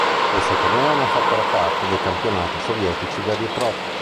Questo torneo non fa però parte dei campionati sovietici veri e propri.